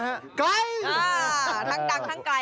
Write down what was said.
อ่าทั้งทั้งไกล